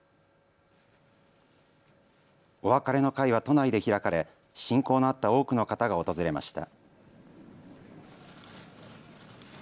お別れの会は都内で開かれ親交のあった多くの方が訪れました。